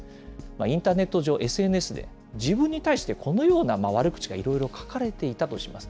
インターネット上、ＳＮＳで自分に対してこのような悪口がいろいろ書かれていたとします。